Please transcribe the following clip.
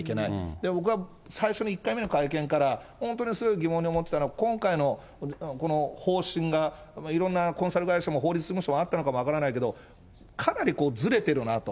でも僕は最初の１回目の会見から、本当にすごい疑問に思ってたのは、今回のこの方針がいろんなコンサル会社も法律事務所もあったのか分からないけど、かなりずれてるなと。